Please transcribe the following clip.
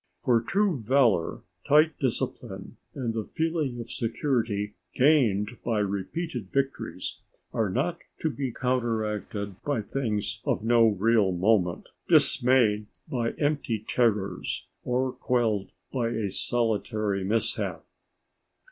_" For true valour, tight discipline, and the feeling of security gained by repeated victories, are not to be counteracted by things of no real moment, dismayed by empty terrors, or quelled by a solitary mishap.